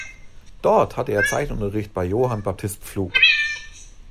Dort hatte er Zeichenunterricht bei Johann Baptist Pflug.